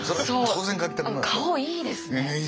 顔いいですね。